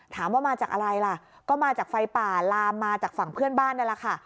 ถามว่ามาจากอะไรล่ะก็มาจากไฟป่าลามมาจากฝั่งเพื่อนบ้านนี่แหละค่ะ